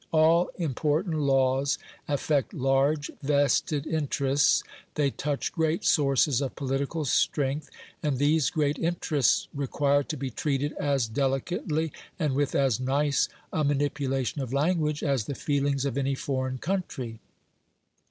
All important laws affect large "vested interests"; they touch great sources of political strength; and these great interests require to be treated as delicately, and with as nice a manipulation of language, as the feelings of any foreign country.